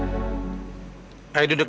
besarkah kita samalt abundance